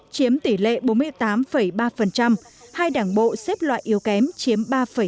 chiếm tỷ lệ bốn mươi tám ba hai đảng bộ xếp loại yếu kém chiếm ba bốn